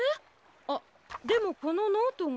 あっでもこのノートが。